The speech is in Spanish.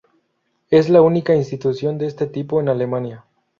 Es la única institución de este tipo en Alemania.